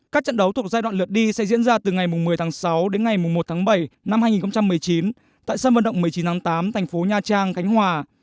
các trận đấu thuộc giai đoạn lượt đi sẽ diễn ra từ ngày một mươi tháng sáu đến ngày một tháng bảy năm hai nghìn một mươi chín tại sân vận động một mươi chín tháng tám thành phố nha trang cánh hòa